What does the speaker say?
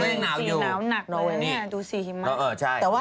สีนาวนักเลยนี่ดูสีหิมะ